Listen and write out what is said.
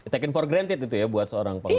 takutkan itu ya buat seorang panglima